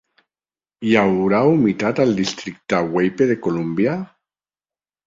Hi haurà humitat al districte Weippe de Columbia?